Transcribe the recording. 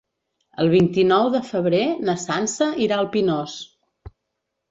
El vint-i-nou de febrer na Sança irà al Pinós.